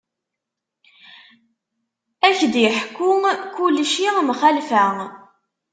Ad ak-id-ḥku kulci mxalfa.